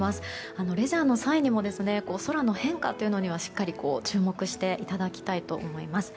レジャーの際にも空の変化にはしっかりと注目していただきたいと思います。